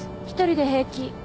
一人で平気。